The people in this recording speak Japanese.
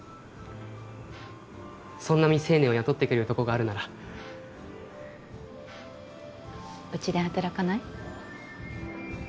そんな未成年を雇ってくれるとこがあるならうちで働かない？